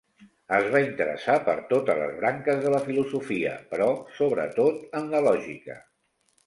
Es va interessar per totes les branques de la Filosofia, però sobretot en la Lògica.